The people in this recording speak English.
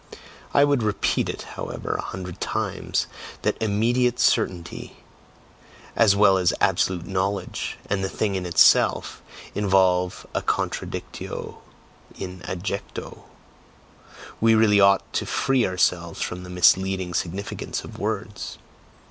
I would repeat it, however, a hundred times, that "immediate certainty," as well as "absolute knowledge" and the "thing in itself," involve a CONTRADICTIO IN ADJECTO; we really ought to free ourselves from the misleading significance of words!